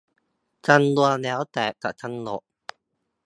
จำนวนแล้วแต่จะกำหนด